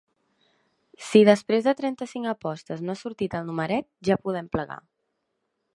Si després de trenta-cinc apostes no ha sortit el numeret, ja podem plegar.